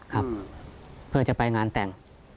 ครับเพื่อจะไปงานแต่ง